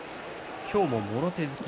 今日も、もろ手突き。